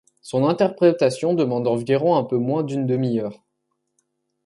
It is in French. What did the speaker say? Son interprétation demande environ un peu moins d'une demi-heure.